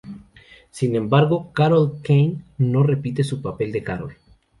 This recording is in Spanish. Sin embargo, Carol Kane no repite su papel de Carol.